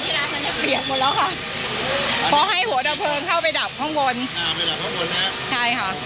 เสียบหมดแล้วค่ะพอให้หัวดำเพลิงเข้าไปดับข้างบนอ่าไปดับข้างบนนะครับใช่ค่ะ